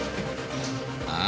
ああ？